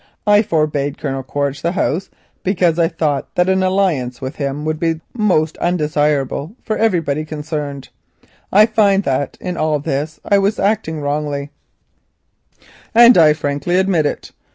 I forbade Colonel Quaritch the house because I considered that an alliance with him would be undesirable for everybody concerned. I find that in all this I was acting wrongly, and I frankly admit it.